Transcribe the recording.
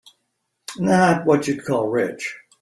Not what you'd call rich.